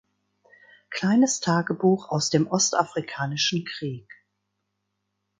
Kleines Tagebuch aus dem ostafrikanischen Krieg".